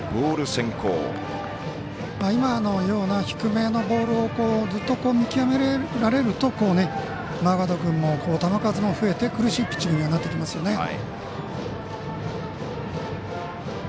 低めのボールをずっと見極められるとマーガード君も球数も増えて苦しいピッチングにはなってきますよね。